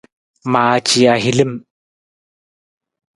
Maaci ahilim.